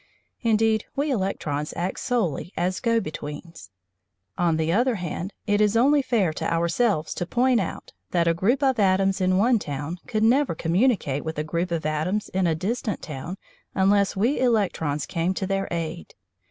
Indeed we electrons act solely as go betweens. On the other hand, it is only fair to ourselves to point out that a group of atoms in one town could never communicate with a group of atoms in a distant town unless we electrons came to their aid.